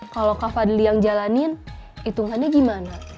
kalau kak fadli yang jalanin hitungannya gimana